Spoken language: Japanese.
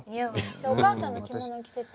じゃあお母さんの着物を着せて。